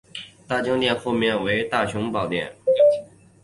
大经堂后面为大雄宝殿。